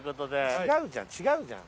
違うじゃん違うじゃん。